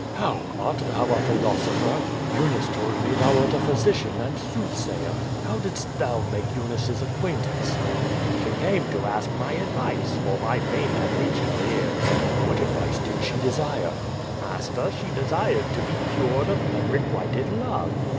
"How! art thou a philosopher? Eunice told me thou wert a physician and soothsayer. How didst thou make Eunice^s acquaintance?" *^She came to ask my advice, for my fame had reached her ears." '^What advice did she desire?" ^^faster, she desired to be cured of unrequited love.